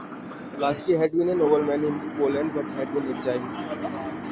Pulaski had been a nobleman in Poland, but had been exiled.